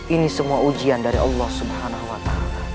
ini semua ujian dari allah swt